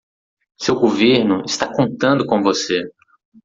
Seu governo está contando com você.